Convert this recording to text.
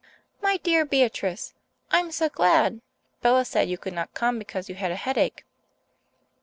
"My dear Beatrice! I'm so glad. Bella said you could not come because you had a headache."